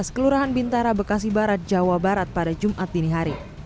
kelurahan bintara bekasi barat jawa barat pada jumat dinihari